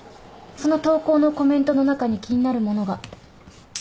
その投稿のコメントの中に気になるものが。